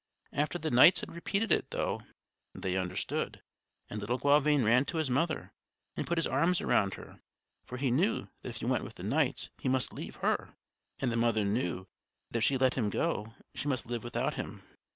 After the knights had repeated it, though, they understood; and little Gauvain ran to his mother and put his arms around her; for he knew that if he went with the knights he must leave her, and the mother knew that if she let him go she must live without him.